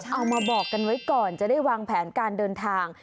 เอามาบอกกันไว้ก่อนจะได้วางแผนการเดินทาง